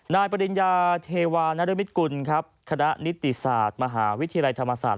ปริญญาเทวานรมิตกุลครับคณะนิติศาสตร์มหาวิทยาลัยธรรมศาสต